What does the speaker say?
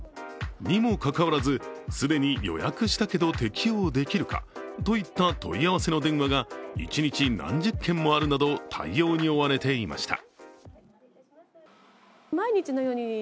にもかかわらず、既に予約したけど適用できるかといった問い合わせの電話が一日何十件もあるなど対応に追われていました。